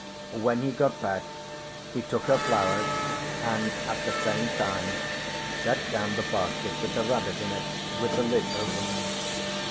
When he got back he took her flowers and at the same time set down the basket with the rabbit in it, with the lid open.